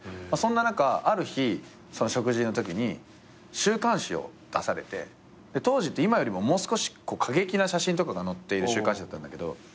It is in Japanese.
そんな中ある日食事のときに週刊誌を出されて当時って今よりももう少し過激な写真とかが載っている週刊誌だったんだけど。